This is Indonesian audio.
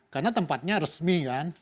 karena tempatnya resmi kan